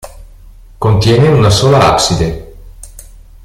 Contiene una sola abside.